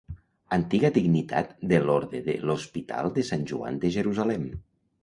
Antiga dignitat de l'orde de l'Hospital de Sant Joan de Jerusalem.